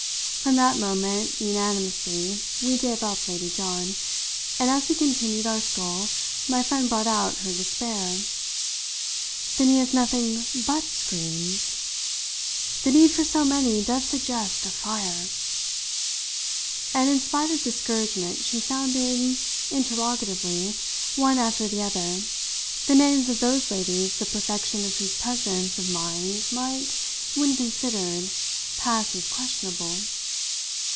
From that moment, unanimously, we gave up Lady John, and as we continued our stroll my friend brought out her despair. "Then he has nothing but screens? The need for so many does suggest a fire!" And in spite of discouragement she sounded, interrogatively, one after the other, the names of those ladies the perfection of whose presence of mind might, when considered, pass as questionable.